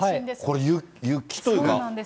これ雪というか。